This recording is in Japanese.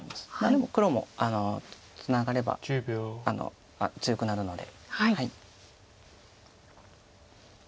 でも黒もツナがれば強くなるので。